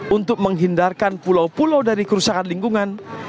untuk menghindarkan pulau pulau dari kerusakan lingkungan